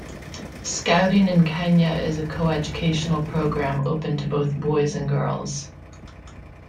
Scouting in Kenya is a co-educational programme, open to both boys and girls.